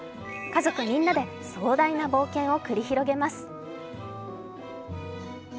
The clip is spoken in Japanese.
家族みんなで壮大な冒険を繰り広げます。